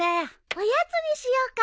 おやつにしようか。